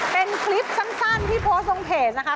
เป็นคลิปสั้นที่โพสต์ลงเพจนะคะ